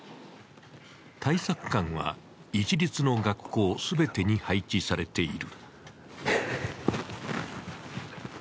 対策監は、市立の学校全てに配置されている。